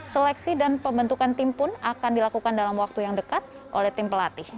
seleksi dan pembentukan tim pun akan dilakukan dalam waktu yang dekat oleh tim pelatih